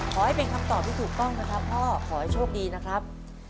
ขอให้เป็นคำตอบที่ถูกต้องนะครับพ่อขอให้โชคดีนะครับ